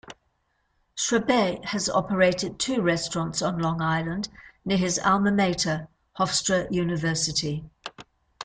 Chrebet has operated two restaurants on Long Island near his alma mater, Hofstra University.